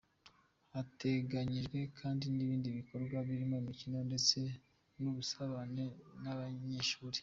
Hateganyijwe kandi n’ibindi bikorwa birimo imikino ndetse n’ubusabane n’abanyeshuri.